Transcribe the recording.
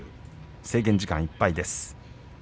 制限時間いっぱいです。